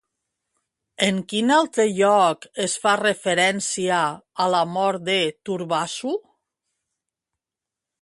En quin altre lloc es fa referència a la mort de Turbazu?